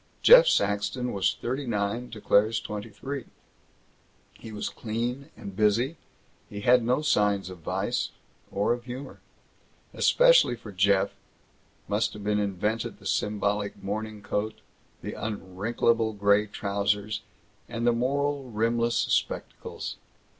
Jeff Saxton was thirty nine to Claire's twenty three. He was clean and busy; he had no signs of vice or humor. Especially for Jeff must have been invented the symbolic morning coat, the unwrinkable gray trousers, and the moral rimless spectacles.